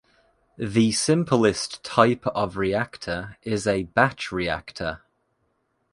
The simplest type of reactor is a batch reactor.